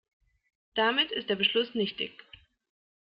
Damit ist der Beschluss nichtig.